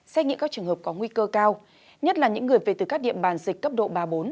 xét nghiệm các trường hợp có nguy cơ cao nhất là những người về từ các địa bàn dịch cấp độ ba bốn